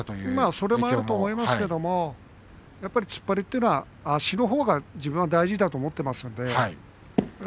それもあると思いますけどもね突っ張りというのは足のほうが大事だと思ってます。